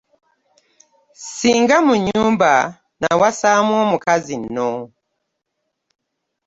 Ssinga mu nnyumba nawasaamu omukazi nno!